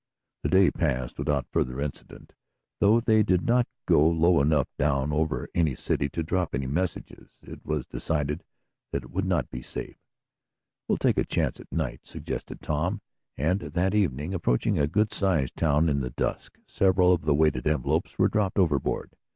The day passed without further incident, though they did not go low enough down over any city to drop any messages. It was decided that it would not be safe. "We'll take a chance at night," suggested Tom, and that evening, approaching a good sized town in the dusk, several of the weighted envelopes were dropped overboard.